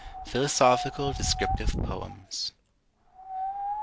PHILOSOPHICAL DESCRIPTIVE POEMS.